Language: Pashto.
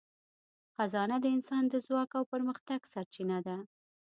خزانه د انسان د ځواک او پرمختګ سرچینه ده.